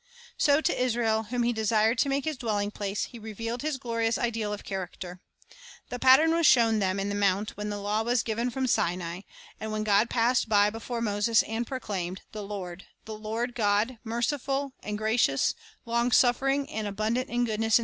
So to Israel, whom He desired to make His dwelling place, He revealed His glorious ideal of character. The pattern was shown them in the mount when the law was given from Sinai, and when God passed by before Moses and proclaimed, "The Lord, The Lord God, merciful and gracious, long suffering, and abundant in goodness and truth."